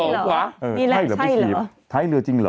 ใช่หรอไม่ฉี่ไทรเนื้อจริงหรอ